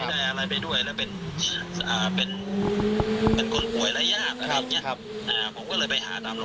แล้วปุ๊บเนี่ยผมเองผมก็ไปอีกตามโรงพยาบาล